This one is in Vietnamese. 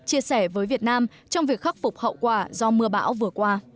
chia sẻ với việt nam trong việc khắc phục hậu quả do mưa bão vừa qua